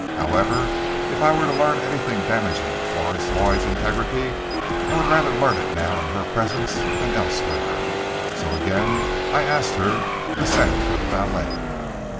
However, if I were to learn anything damaging to Florence Lloyd's integrity, I would rather learn it now, in her presence, than elsewhere. So I again asked her to send for the valet.